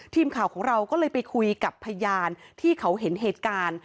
ทีมข่าวของเราก็เลยไปคุยกับพยานที่เขาเห็นเหตุการณ์